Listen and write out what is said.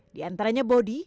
di antaranya bodi